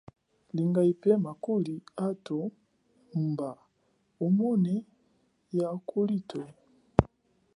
Linga ipema kuli athu mba umone yakuluthwe.